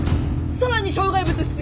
更に障害物出現！